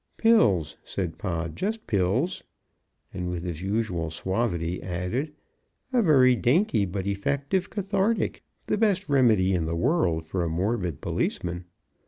"Pills," said Pod, "just pills," and with his usual suavity added, "A very dainty but effective cathartic, the best remedy in the world for a morbid patrolman.